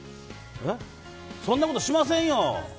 そんなことしませんよ